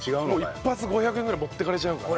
１発５００円ぐらい持っていかれちゃうから。